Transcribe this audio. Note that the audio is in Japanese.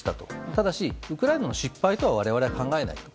ただし、ウクライナの失敗とは我々は考えないと。